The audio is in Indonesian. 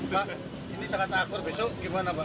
pak ini saya kata akur besok gimana pak